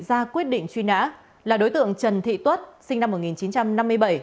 ra quyết định truy nã là đối tượng trần thị tuất sinh năm một nghìn chín trăm năm mươi bảy